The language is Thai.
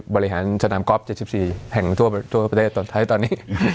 บริหารสนามก๊อฟ๗๔แห่งทั่วประเทศตอนนี้